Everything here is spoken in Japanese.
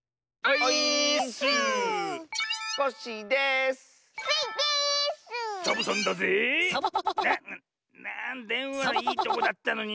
いいとこだったのに。